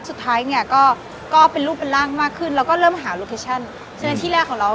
สุดท้ายเนี่ยก็ก็เป็นรูปเป็นร่างมากขึ้นแล้วก็เริ่มหาโลเคชั่นในที่แรกของเรา